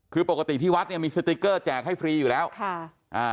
คือปกติที่วัดเนี่ยมีสติ๊กเกอร์แจกให้ฟรีอยู่แล้วค่ะอ่า